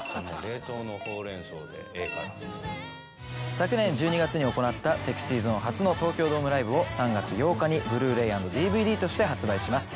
昨年１２月に行ったＳｅｘｙＺｏｎｅ初の東京ドームライブを３月８日にＢｌｕ−ｒａｙ＆ＤＶＤとして発売します。